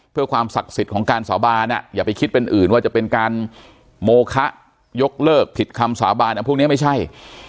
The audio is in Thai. เพื่อความศักดิ์สิทธิ์ของการสาบานอย่าไปคิดเป็นอื่นว่าจะเป็นการโมคะยกเลิกผิดคำสาบานอะไรพวกนี้ไม่ใช่